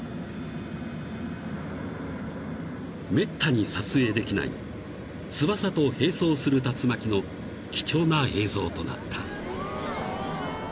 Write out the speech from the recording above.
［めったに撮影できない翼と並走する竜巻の貴重な映像となった］